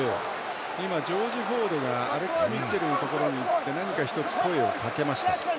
今、ジョージ・フォードがアレックス・ミッチェルのところに行って何か１つ声をかけました。